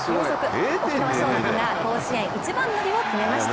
沖縄尚学が甲子園一番乗りを決めました。